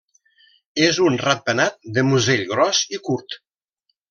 És un ratpenat de musell gros i curt.